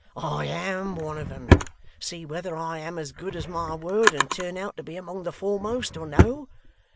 I AM one of 'em. See whether I am as good as my word and turn out to be among the foremost, or no.